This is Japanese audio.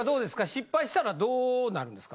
失敗したらどうなるんですか？